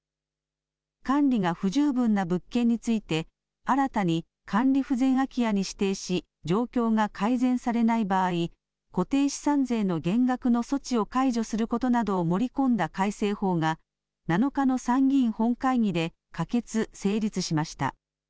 管理が不十分な物件について、新たに管理不全空き家に指定し、状況が改善されない場合、固定資産税の減額の措置を解除することなどを盛り込んだ改正法が、７日の参議院本会議で可決・成立しました。